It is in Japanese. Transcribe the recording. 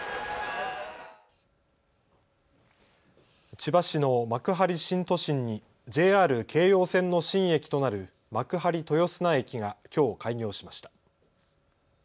千葉市の幕張新都心にＪＲ京葉線の新駅となる幕張豊砂駅がきょう開業しました。